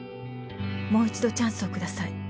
「もう一度チャンスを下さい」